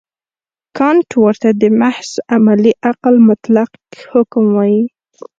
کانټ ورته د محض عملي عقل مطلق حکم وايي.